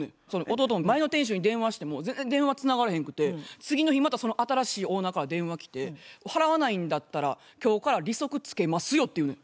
弟も前の店主に電話しても全然電話つながらへんくて次の日またその新しいオーナーから電話きて「払わないんだったら今日から利息つけますよ」って言うねん。